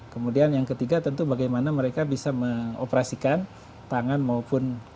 kemudian yang ketiga tentu bagaimana mereka bisa mengoperasikan tangan maupun